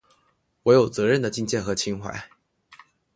我有责任的境界和情怀